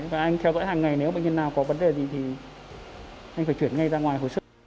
và anh theo dõi hàng ngày nếu bệnh nhân nào có vấn đề gì thì anh phải chuyển ngay ra ngoài hồi sức